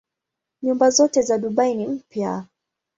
Nyumba zote za Dubai ni mpya.